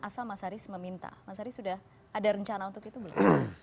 asal mas haris meminta mas haris sudah ada rencana untuk itu belum